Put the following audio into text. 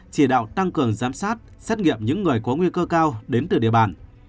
chỉ đạo tăng cường giám sát xét nghiệm những người có nguy cơ cao đến từ địa bàn